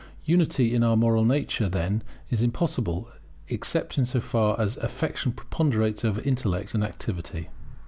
Unity in our moral nature is, then, impossible, except so far as affection preponderates over intellect and activity.